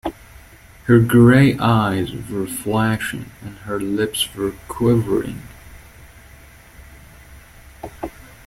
Her gray eyes were flashing, and her lips were quivering.